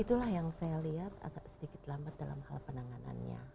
itulah yang saya lihat agak sedikit lambat dalam hal penanganannya